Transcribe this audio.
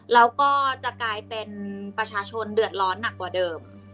แล้วก็จะกลายเป็นประชาชนเดือดร้อนหนักกว่าเดิม